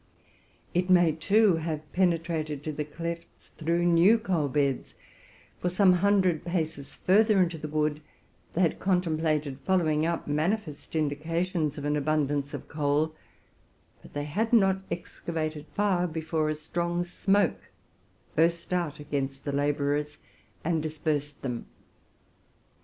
It may, too, have penetrated to the clefts through new coal beds: for, some hundred paces farther into the wood, they had contemplated following up manifest indications of an abundance of coal; but they had not excavated far before a strong smoke burst out against the laborers, and dispersed them.